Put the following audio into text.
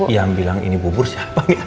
yang bilang ini bubur siapa